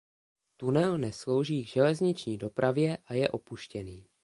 Tunel neslouží k železniční dopravě a je opuštěný.